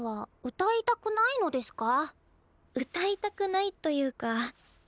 歌いたくないというか歌えない？